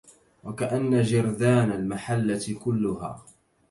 وكأن جرذان المحلة كلها